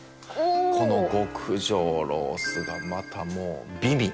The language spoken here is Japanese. この極上ロースがまたもう美味！